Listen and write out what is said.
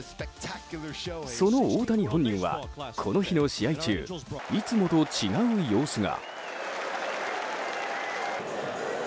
その大谷本人は、この日の試合中いつもと違う様子が。